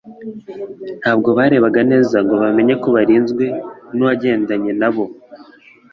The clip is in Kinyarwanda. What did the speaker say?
Ntabwo barebaga neza ngo bamenye ko barinzwe n'uwagendanye na bo.